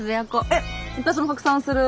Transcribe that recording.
えっ私も拡散する。